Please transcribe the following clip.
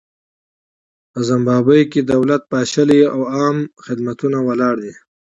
په زیمبابوې کې دولت پاشلی او عامه خدمتونه ولاړ دي.